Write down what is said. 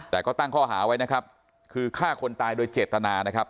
แต่ก็ตั้งข้อหาไว้นะครับคือฆ่าคนตายโดยเจตนานะครับ